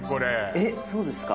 えっそうですか？